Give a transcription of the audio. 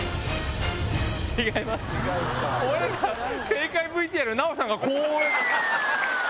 正解 ＶＴＲ 奈緒さんがこう。